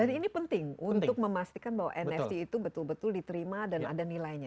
dan ini penting untuk memastikan bahwa nft itu betul betul diterima dan ada nilainya